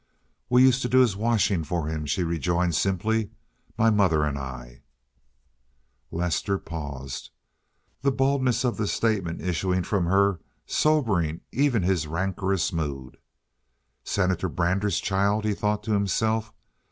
"We used to do his washing for him," she rejoined simply—"my mother and I." Lester paused, the baldness of the statements issuing from her sobering even his rancorous mood. "Senator Brander's child," he thought to himself.